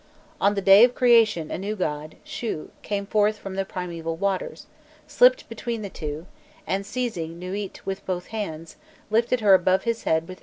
On the day of creation a new god, Shu, came forth from the primaeval waters, slipped between the two, and seizing Nûît with both hands, lifted her above his head with outstretched arms.